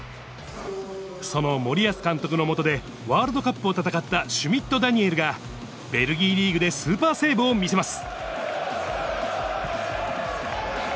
その森保監督の下で、ワールドカップを戦ったシュミット・ダニエルが、ベルギーリーグでスーパーセーブを見せます。